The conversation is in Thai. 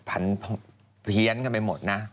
พันเผี้ยนกันไปหมดนะ